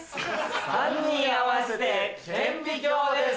３人合わせて顕微鏡です。